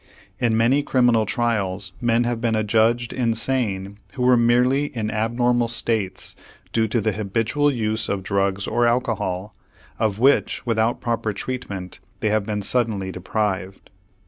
In many criminal trials men have been adjudged insane who were merely in abnormal states due to the habitual use of drugs or alcohol, of which, without proper treatment, they have been suddenly deprived.